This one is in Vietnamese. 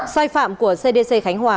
sai phạm của cdc khánh hòa